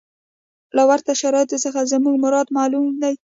له ورته شرایطو څخه زموږ مراد معلوم دی.